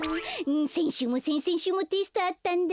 せんしゅうもせんせんしゅうもテストあったんだ。